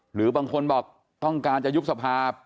หรือบางคนบอกต้องการจะยุบสภา